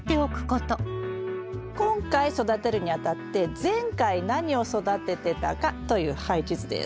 今回育てるにあたって前回何を育ててたかという配置図です。